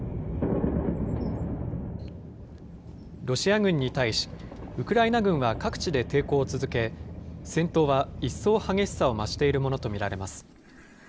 ロシア軍に対し、ウクライナ軍は各地で抵抗を続け、戦闘は一層激しさを増しているものと見られます。